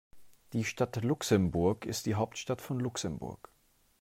Die Stadt Luxemburg ist die Hauptstadt von Luxemburg.